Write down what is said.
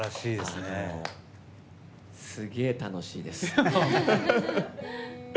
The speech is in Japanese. すげえ楽しいです。